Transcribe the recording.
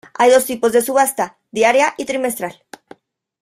Hay dos tipos de subasta: diaria y trimestral.